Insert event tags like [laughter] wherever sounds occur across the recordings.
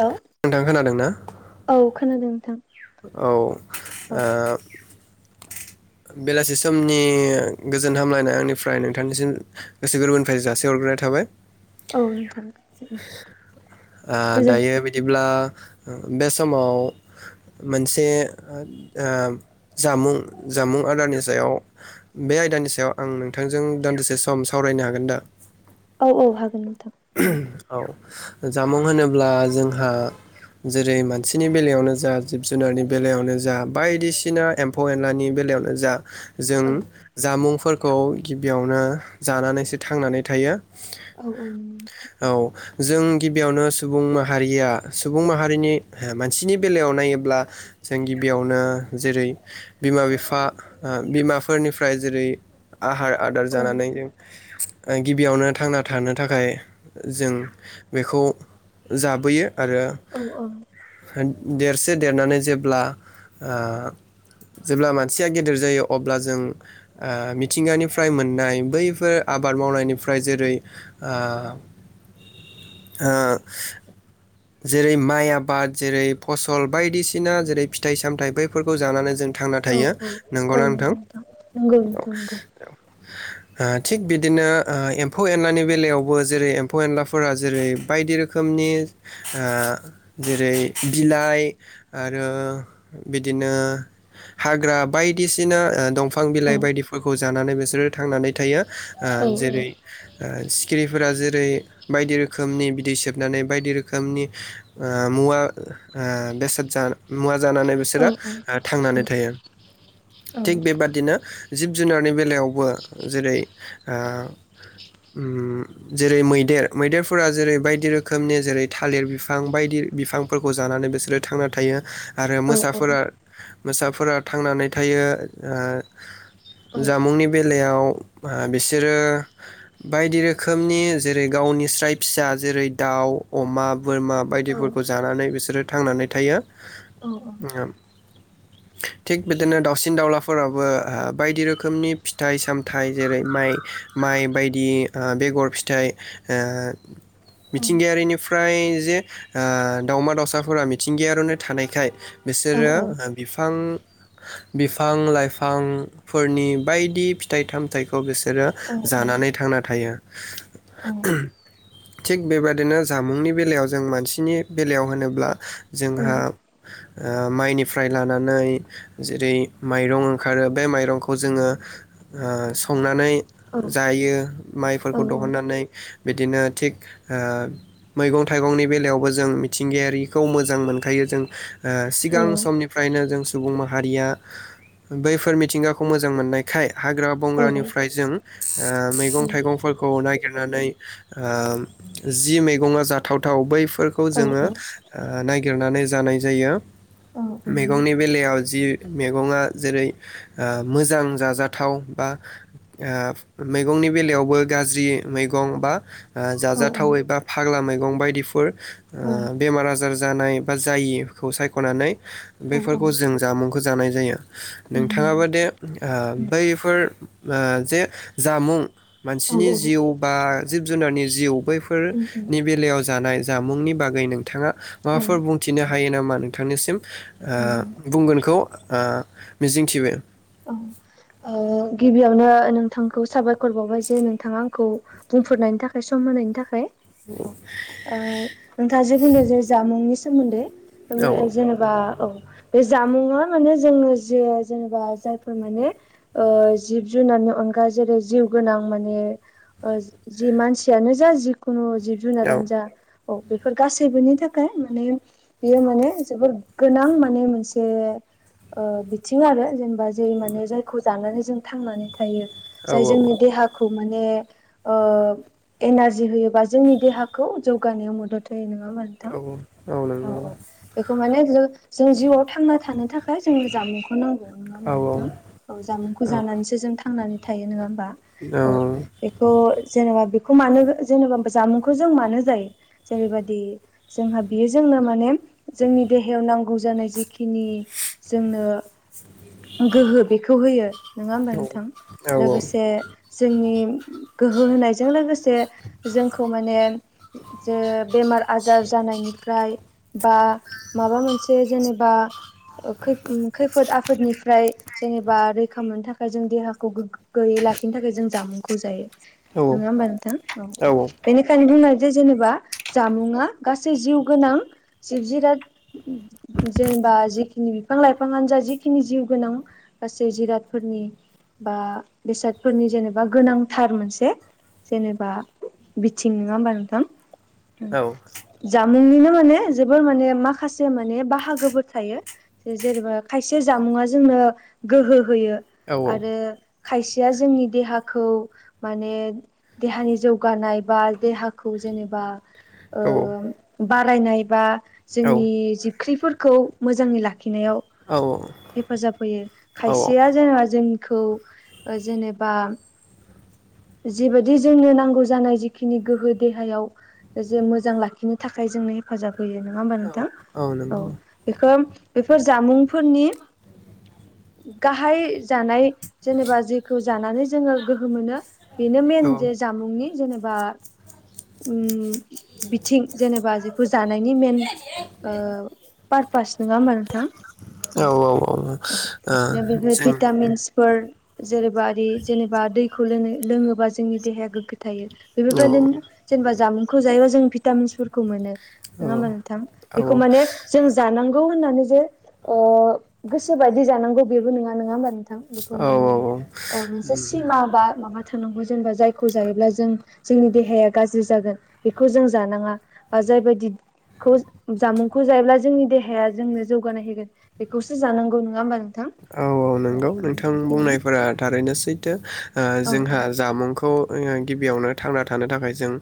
हेल' नोंथां खोनादों ना औ खोनादों। नोंथां औ औ आ बेलासि समनि गोजोन हामलायनाय आंनिफ्राय नोंथांनिसिम गोसो गोरबोनिफ्राय जासि हरग्रोनाय थाबाय औ नोंथा उम आ दायो बिदिब्ला बे समाव मोनसे आ जामुं जामुं आदारनि सायाव बे आयदानि सायाव आं नोंथांजों दान्दिसे सम सावरायनो हागोन दा औ औ हागोन नों उम औ जामुं होनोब्ला जोंहा जेरै मानसिनि बेलायावनो जा जिब जुनारनि बेलायावनो जा बायदिसिना एम्फौ एनलानि बेलायावनो जा जों जामुंफोर खौ गिबियावनो जानानैसो थांनानै थायो औ औ नंगौ औ जों गिबियावनो सुबुं माहारिया सुबुं माहारिनि मानसिनि बेलायाव नायोब्ला जों गिबियावनो जेरै बिमा बिफा बिमाफोरनिफ्राय जेरै आहार आदार औ जानानै जों गिबियावनो थांना थानो थाखाय जों बेखौ जाबोयो आरो औ [unintelligible] देरसे देरनानै जेब्ला आ जेब्ला मानसिया गेदेर जायो अब्ला जों आ मिथिंगानिफ्राय मोननाय बैफोर आबाद मावनायनिफ्राय जेरै आ आ जेरै माइ आबाद जेरै फसल बायदिसिना जेरै फिथाइ सामथायाइ बैफोरखौ जानानै जों थांना औ थायो नंगौना नोंथां नंगौ औ नंगौ औ ओ नोंथां नंगौ थिग बिदिनो ओ एम्फौ एननायनि बेलायावबो जेरै एमफौ एनलाफोरा जेरै बाइदि रोखोमनि ओ जेरै बिलाइ आरो बिदिनो हाग्रा बायदिसिना ओ दंफा बिफां औ बिलाइ बायदिफोरखौ जानानै बेसो [unintelligible] थांनानै थायो आ औ जेरै आ सिखिरि फोरा जेरै बायदि रोखोमनि बिदै सोबनानै बायदि रोखोमनि आ मुवा आ बेसाद जा मुवा जानानै औ बिसोरो थांनानै थायो थिग औ बेबादिनो जिब जुनारनि बेलायावबो जेरै आ उम जेरै मैदेर मैदेरफोरा जेरै बायदि रोखोमनि जेरै थालिर बिफां बायदि बिफांफोरखौ जानानै बिसोरो थांना थायो। आरो औ औ मोसाफोरा मोसाफोरा थांनानै थायो आ जामुंनि बेलायाव ओ बिसोरो बायदि रोखोम। खोमनि जेरै गावनि स्राय फिसा जेरै दाउ अमा बोरमा बायदिफोरखौ जानानै बिसोरो थांनानै थायो थिग बिदिनो दाउसिन दाउलाफोरावाबो बायदि रोखोमनि फिथाइ सामथाइ जेरै माइ माइ बायदि। ओ बेगर फिथाइ ओ मिथिंगायारिनिफ्राय जे ओ दावमा दाउसाफोरा मिथिंगायारियानो थानायखाय। बिसोरो बिफा बिफां बिफां लाइफांफोरनि बायदि फिथाइ थामथाइखौ बेसो बिसोरो जानानै थांना थायो थिग बेबादिनो जामुंनि बेलायाव जों मानसिनि बेलायाव होनोब्ला जोंहा ओ माइनिफ्राय लानानै जेरै माइरं ओंखारो बे माइरंखौ जोङो ओ संनानै। जायो। माइफोरखौ दहननानै। बिदिनो थिग ओ मैगं थाइगंनि बेलायावबो जों मिथिंगायारिखौ मोजां मोनखायो जों। ओ सिगां समनिफ्रायनो जों। सुबुं माहारिया बैफोर मिथिंगाखौ मोजां मोननायखाय। हाग्रा बंग्रानिफ्राय जों ओ मैगं‌ थाइगंफोरखौ नाय। नानै ओ जि मैंगंआ जाथावथाव बैफो। फोरखौ जोङो ओ नाय। गिरनानै जानाय जायो मैगंनि बेलायाव जि मैगङा जेरै ओ मोजां जाजाथाव बा ओ मैगंनि बेलायाव। बबे गाज्रि मैगं बा। ओ जाजाथाव एबा। फाग्ला मैगं बायदिफोर। ओ बेमार आजार। जानाय बा जायिखौ सायख'नानै। बेफोरखौ जों जामुंखौ। जानाय जायो। नोंथाङाबो दे ओ। बैफोर जे जामुं। मानसिनि औ जिउ बा जिब जुनारनि जिउ औ औ बैफोरनि बेलायाव जानाय जामुंनि बागै नोंथाङा औ माबाफोर बुंथिनो हायो नामा नोंथांनिसिम औ बुंगोनखौ मिजिंथिबाय। औ ओ गिबियावनो नोंथांखौ साबायखर बावबाय जे नोंथाङा आंखौ बुंफोरनायनि थाखाय सम होनायनि थाखाय। ओ नोंथाङा जे बुंदों जे जामुंनि। सोमोन्दै। औ जेनेबा औ। बे जामुंआ माने जोङो जे जेनेबा जायफोर माने। ओ जिब जुनारनि अनगा जेरै जिउ गोनां माने जि मानसियानो जा जिखुनु। जिब औ जुनारानो जा औ बेफोर गासैबोनि थाखाय माने बेयो माने जोबोद गोनां माने मोनसे ओ बिथिं आरो जेनेबा जे माने जाय जानानै जों थांनानै थायो औ जाय औ जोंनि औ देहाखौ माने ओ एनारजि होयोबा जोंनि देहाखौ जौगानायाव मदद होयो नो नङा ओमबा औ नंगौ औ नोंथां औ औ बेखौ माने जों जों जिउआव थांना थानो थाखाय जोंनो जामुंखौ नांगौ नङा ओमबा नोंथां जामुंखौ जानानैसो जों थांनानै थायो नोङा ओमबा औ बेखौ जेनेबा बेखौ मानो जेनेबा जामुंखौ जों मानो जायो जेरैबादि जोंहा बियो जोंनो माने जोंनि देहायाव नांगौ जानायजिखिनि जोंनो गोहो बेखौ खौ होयो नोङा होमबा नोंथां लोगोसे जोंनि गोहो होनायजों लोगोसे जोंखौ माने जे बेमार आजार जानायनिफ्राय बा माबा मोनसे जेनेबा ओ खै खैफोद आफोदनिफ्राय जेनेब बा रैखा मोननो थाखाय जों देहाखौ गोग्गोयै लाखिनो थाखाय जों जामुंखौ जायो नोंङा ओमबा नोंथा बेनिखायनो बुंनाय जे जेनेबा जामुङा गासै जिउ गोनां जिब जिराद जेनेबा जिखिनि बिफां लाइफांआनो जा जिखिनि जिउ गोनां गासै जिरादफोरनि बा बेसादफोरनि जेनेबा गोनांथार मोनसे जेनेबा बिथिं नोङा होमबा नोंथां जा मुंनिनो माने जोबोर माने माखासे माने बाहागोफोर थायो जेनेबा खायसे जामुंआ जोंनो गोहो होयो आरो खायसेया जोंनि देहाखौ माने देहानि जौगानाय बा देहाखौ जेनेबा ओ बारायनायबा जोंनि जि ओंख्रिफोरखौ मोजाङै लाख लाखिनायाव हेफाजाब होयो। औ खायसेया जेनेबा जोंखौ ओ जेनेबा जिबायदि जोंनो नांगौ जानाय जिखिनि गोहो देहायाव जे मोजां लाखिनो थाखाय जोंनो हेफाजाब होयो नङा होमबा नोंथां औ बेखो बेफोर जामुंफोरनि गाहाय जानाय जेनेबा जेखौ जानानै जोङो गोहो मोनो बेनो औ मेन जे जामुंनि जेनेबा उम बिथिं जेनेबा जेखौ जानायनि मेन ओ पारपस नङा होमबा नोंथां औ भिटामिन्सफोर जेरैबा जेनेबा दैखौ लोङोबा जोंनि देहाया गोग्गो थायो जों बेफोरबायदिनो जेनेबा जामुं [unintelligible] जायोबा जों भिटामिन्सफोरखौ मोनो औ नङा औ होमबा नोंथां बेखौ माने जों जानांगौ होननानै ओ गोसो बायदि जानांगो बेबो नङा नङा होमबा [unintelligible] बेखौ औ माने औ मोनसे औ सिमा बा माबा [unintelligible] जेनेबा जायखौ जायोब्ला जों जोंनि देहाया गाज्रि जागोन बेखौ जों जानाङा बा जायबायदिखौ जामुंखौ जायोब्ला जोंनि देहाया जोंनो जौगानाय होगोन बेखौसो जानांगौ नङा होमबा नों औ औ नंगौ नोंथां बुंनायफोरा थारैनो सैथो औ जोंहा जामुंखौ गिबियावनो थांना थानो थाखाय जों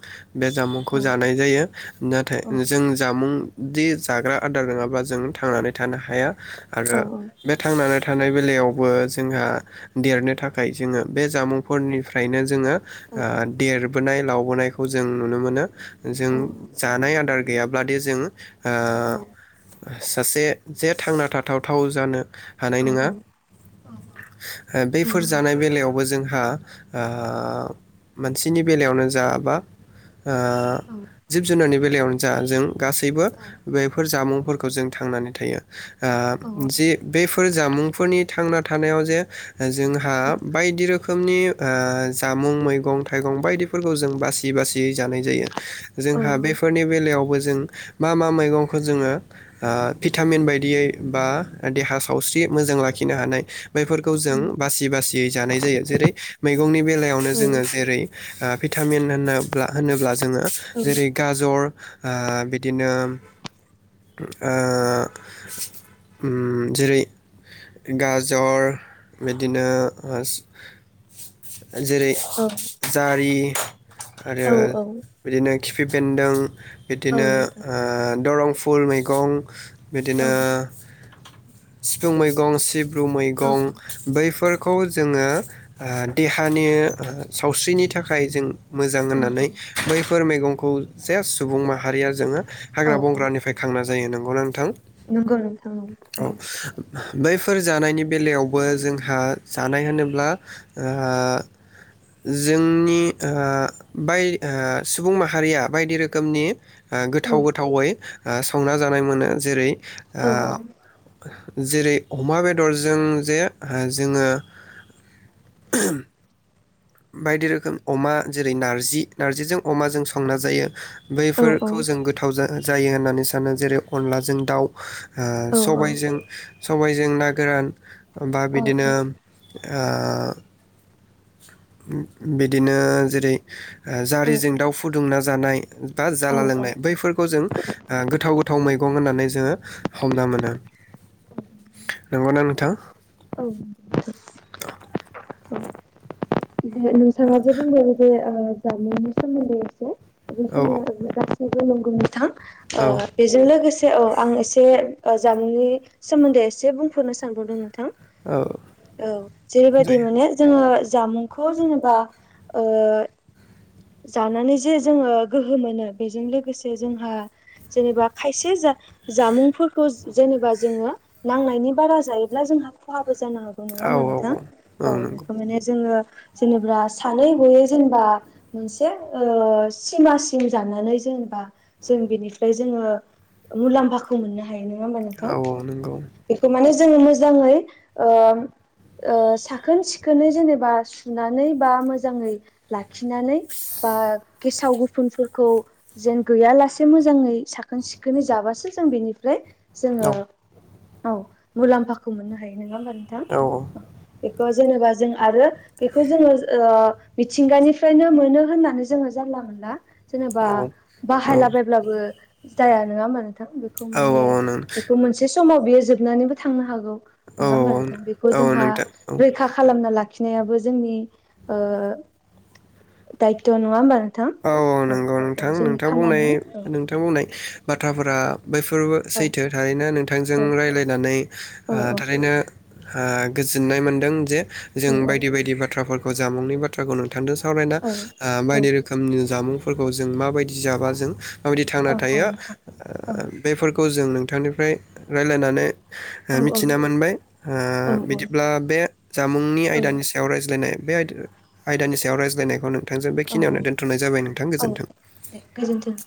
बे जामुंखौ औ जानाय जायो नाथाय औ जों जामुं दि जाग्रा आदार नङाबा जों थांनानै थानो हाया आरो औ बे थानाय बेलायावबो जोंहा देरनो थाखाय जोङो बे जामुंफोरनिफ्रायनो जोङो औ ओ देर [unintelligible] लावबोनायखौ जों नुनो मोनो जों जानाय आदार गैयाब्लादि जोंङो ओ औ सासे जे थांना थाथावथाव जानो हानाय औ नङा औ बेफोर नंगौ जानाय बेलायावबो जों ओ मोनसेनि बेलायावनो जा बा ओ औ जिब जुनारनि जा जों गासैबो औ बेफोर जामुं फोरफोरखौ जों थांनानै थायो औ ओ जि बे मुंफोरनि थांना थानायाव जे जोंहा बायदि रोखोम रोखोमनि जामुं मैगं थाइगं बायदिफोरखौ जों बासिय बासियै जानाय जायो औ जोंहा बेफोरनि बेलायावबो जों मा मा मैगंखौ जोङो औ बिथामिन बायदियोबा देहा सावस्रि मोजां लाखिनो हानाय बेफोरखौ जों बासि बासियै जानाय जायो जेरै मैगंनि बेलायावनो जोङो जेरै भिटामिन होनोब्ला जोङो जेरै गाजर ओ बिदिनो ओ उम जेरै गाजर बिदिनो जेरै औ जारि आरो औ बिदिनो खिफि बेन्दों बिदिनो नोंथां दरं फुल मैगं बिदिनो सिफुं मैगं सिब र औ औ मैगं बैफोर खौ जोङो ओ देहानि सावस्रिनि थाखाय जों मोजां औ होननानै बैफोर मैगं खौ जे सुबुं माहारिया जोङो औ हाग्रा औ बंग्रानिफ्राय खांना जायो नामा? गोनांथाव नंगौ न नंगौ बैफोर जानायनि बेलायावबो जोंहा जानाय होनोब्ला जोंनि बाय सुबुं माहारिया बायदि रोखोमनि ओ गोथाव गोथावै संना जानाय मोनो जेरै औ ओ जेरै अमा बेदरजों जे जोङो बायदि रोखोम अमा जेरै नार्जि नार्जिजों अमाजों संना जायो। औ औ बैफोरखौ जों गोथाव जा जायो होननानै सानो जेरै अनलाजों दाउ ओ औ सबायजों सबायजों जों ना गोरान बा बिदिनो ओह बिदिनो जेरै जारिजों दाउ फुदुंना जानाय दा जाला औ लोंनाय बैफोरखौ जों आ गोथाव गोथाव गो थाव मैगं होननानै जोङो हमना मोनो। नंगौना नोंथां। औ नोंगौथ। [unintelligible] दे नोंथाङा जे बुंबाय जे ओ जामुंनि सोमोन्दै एसे? औ बेखिनिया ओ गोदान नोंगौ नोंगौ नोंथां। औ ओ बेजों लोगोसे औ आं एसे जामुंनि सोमोन्दै एसे बुंफोरनो सानबावदोंमोन। नोंथां औ औ जेरैबायदि जायो माने जोङो जामुं खौ जेनेबा ओ जानानै जे जोङो गोहो मोनो बेजों लोगोसे जोंहा जेनेबा खायसे जामुंफोरखौ जेनेबा जोङो नांनायनि बारा जायोब्ला जोंहा खहा बो जानो हागौ नङा औ होमबा नोंथां औ औ नंगौ बेखौ माने जोङो जेनेबा सानै गयै जेनेबा मोनसे ओ सिमासिम जानानै जेनेबा जों बेनिफ्राय जोङो मुलाम्फाखौ मोननो हा यो नङा होनबा नोंथां औ औ नंगौ बेखौ माने जोङो मोजाङै ओ ओ साखोन सिखोनै जेनेबा सुनानै बा मोजाङै लाखिनानै बा गेसाव गुफुनफोरखौ जेन गैया लासे मोजाङै साखोन सिखोनै जाबासो जों बेनिफ्राय जोङो औ औ मुलाम्फाखौ मोननो हायो नङा होनबा। औ औ बो जेनेबा जों आरो बेखौ जोङो ओ मिथिंगानिफ्रायनो मोनो। होननानै जोङो जानला मोनला जेनेबा औ बाहायला औ बायब्लाबो जाया नङा होमबा नों थां बेखौ औ माने बे मोनसे समाव बियो जोबनानैबो थांनो हागौ। नङा होमबा नोंथां बेखौ औ औ जोंहा नोंथां औ रैखा खालामना ला खिनायाबो जोंनि ओ दायथ' नङा होनबा नों औ औ नंगौ नोंथां नोंथां बुंनाय औ नोंथां बुंनाय बाथ्राफोरा बैफोरबो औ सैथो थारैनो नोंथांजों औ रायलायनानै औ ओ थारैनो ओ गोजोननाय मोनदों जे औ जों बायदि बायदि बाथ्राफोरखौ जामुंनि बाथ्राखौ नों थांदों सावरायना औ ओ बाय औ जामुंफोरखौ जों माबायदि जाब्ला जों माबादि थांना औ औ थायो ओ नोंथां औ बेफोरखौ जों नोंथांनिफ्राय रायलायनानै औ मिथिना मोनबाय ओ औ बिदिब्ला बे जामुंनि औ आयदानि सायाव रायज्लायनाय बे आय आयदानि सायाव रायज्लायनायखौ नों नोंथांजों औ बेखनिनियावनो दोनथनाय जाबाय नोंथां औ गोजोन्थों दे गोजोन्थों।